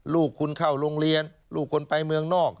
ลูกคุณเข้าโรงเรียนลูกคุณไปเมืองนอก